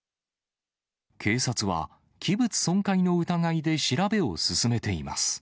警察は器物損壊の疑いで調べを進めています。